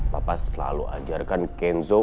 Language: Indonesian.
papa selalu ajarkan kenzo